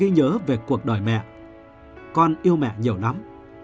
nhớ về cuộc đời mẹ con yêu mẹ nhiều lắm